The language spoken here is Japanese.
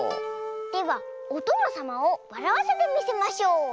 ではおとのさまをわらわせてみせましょう！